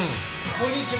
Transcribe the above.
こんにちは。